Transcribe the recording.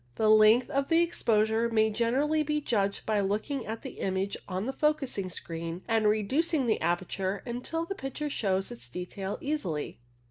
The length of exposure may generally be judged by looking at the image on the focusing screen, and reducing the aperture until the picture shows its detail easily.